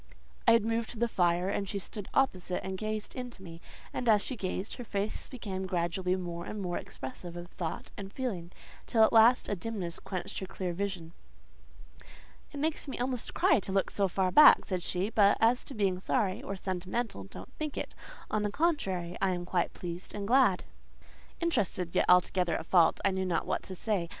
I had moved to the fire, and she stood opposite, and gazed into me; and as she gazed, her face became gradually more and more expressive of thought and feeling, till at last a dimness quenched her clear vision. "It makes me almost cry to look so far back," said she: "but as to being sorry, or sentimental, don't think it: on the contrary, I am quite pleased and glad." Interested, yet altogether at fault, I knew not what to say.